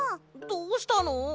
どうしたの？